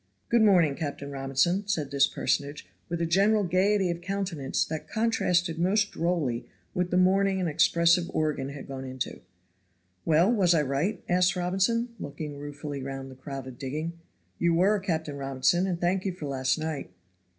"Good morning, Captain Robinson," said this personage, with a general gayety of countenance that contrasted most drolly with the mourning an expressive organ had gone into. "Well, was I right?" asked Robinson, looking ruefully round the crowded digging. "You were, Captain Robinson, and thank you for last night."